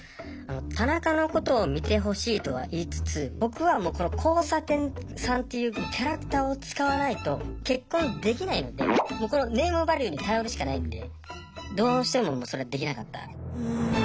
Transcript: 田中のことを見てほしいとは言いつつ僕はもうこの交差点さんというキャラクターを使わないと結婚できないのでもうこのネームバリューに頼るしかないんでどうしてもそれはできなかった。